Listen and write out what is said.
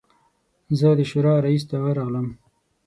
زه د شورا رییس ته ورغلم.